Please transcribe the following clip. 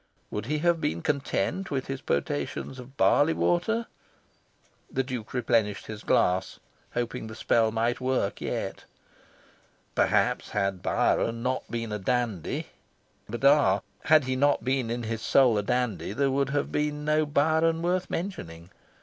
Would he have been content with his potations of barley water?... The Duke replenished his glass, hoping the spell might work yet.... Perhaps, had Byron not been a dandy but ah, had he not been in his soul a dandy there would have been no Byron worth mentioning.